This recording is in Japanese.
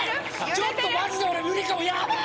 ちょっとマジで俺無理かもヤバい！